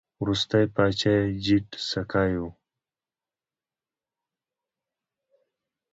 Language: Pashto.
وروستی پاچا یې جیډ سکای و